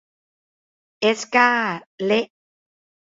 เอสก้า เละ